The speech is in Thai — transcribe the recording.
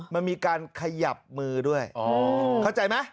มันมีการขยับมือด้วยเข้าใจไหม